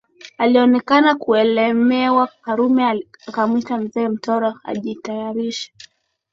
Alionekana kuelemewa Karume akamwita Mzee Mtoro ajitayarishe